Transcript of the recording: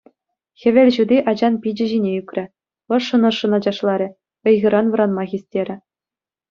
Хӗвел ҫути ачан пичӗ ҫине ӳкрӗ, ӑшшӑн-ӑшшӑн ачашларӗ, ыйхӑран вӑранма хистерӗ.